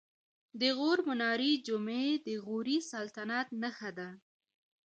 د غور منارې جمعې د غوري سلطنت نښه ده